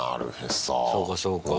そうかそうか。